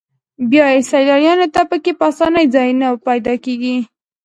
بیا هم سیلانیانو ته په کې په اسانۍ ځای نه پیدا کېږي.